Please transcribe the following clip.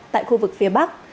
tại khu vực phía bắc